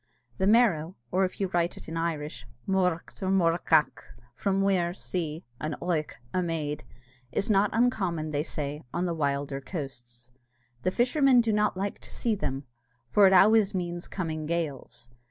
The Merrow, or if you write it in the Irish, Moruadh or Murrúghach, from muir, sea, and oigh, a maid, is not uncommon, they say, on the wilder coasts. The fishermen do not like to see them, for it always means coming gales.